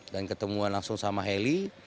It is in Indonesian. dan ketemuan langsung sama hailey